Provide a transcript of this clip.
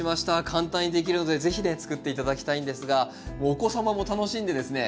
簡単にできるので是非ねつくって頂きたいんですがお子様も楽しんでですね